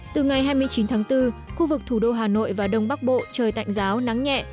từ ngày hai mươi chín tháng bốn khu vực thủ đô hà nội và đông bắc bộ trời tạnh giáo nắng nhẹ